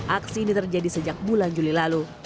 aksi ini terjadi sejak bulan juli lalu